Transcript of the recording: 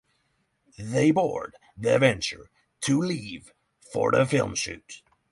They board the Venture to leave for the film shoot.